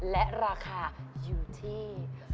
และราคาอยู่ที่